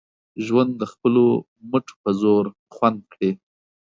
ژوند د خپلو مټو په زور خوند کړي